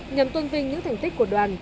nhằm tuân vinh những thành tích của đoàn